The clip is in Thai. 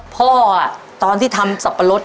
ตอนที่ทำสับปะรด